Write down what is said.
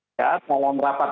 ya dalam rapat